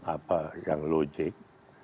apa yang logik